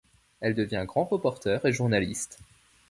Elle devient grand reporter et journaliste.